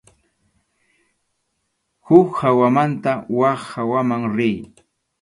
Huk hawamanta wak hawaman riy.